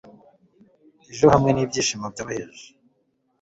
ejo, hamwe n'ibyishimo byoroheje